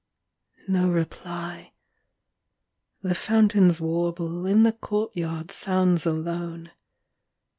IX. No reply. The fountain's warble In the courtyard sounds alone.